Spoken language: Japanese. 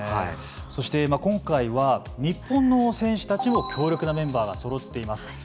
そして今回は日本の選手たちも強力なメンバーがそろっています。